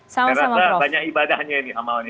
saya rasa banyak ibadahnya ini amalan ini